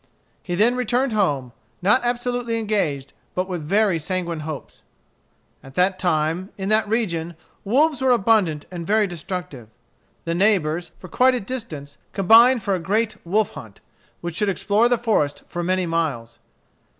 He then returned home, not absolutely engaged, but with very sanguine hopes. At that time, in that region, wolves were abundant and very destructive. The neighbors, for quite a distance, combined for a great wolf hunt, which should explore the forest for many miles.